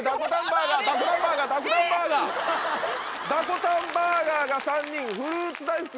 ダコタンバーガーが３人フルーツ大福が２人。